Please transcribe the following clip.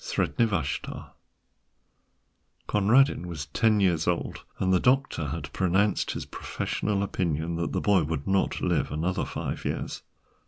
SREDNI VASHTAR Conradin was ten years old, and the doctor had pronounced his professional opinion that the boy would not live another five years.